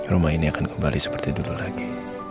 rumah ini akan kembali seperti dulu lagi